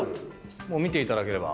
見ていただければ。